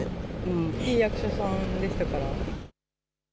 いい役者さんでしたから。